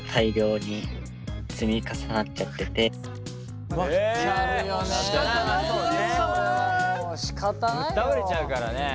ぶっ倒れちゃうからね。